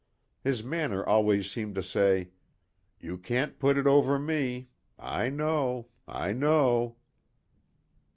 His manner always seemed to say, "You can't put it over me. I know. I know...."